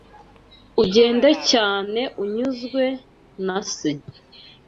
Ugende cyane unyuzwe, na se